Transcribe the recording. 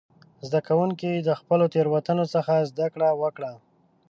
زده کوونکي د خپلو تېروتنو څخه زده کړه وکړه.